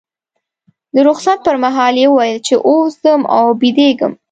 د رخصت پر مهال یې وویل چې اوس ځم او بیدېږم.